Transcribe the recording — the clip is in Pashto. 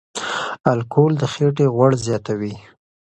الکول د خېټې غوړ زیاتوي.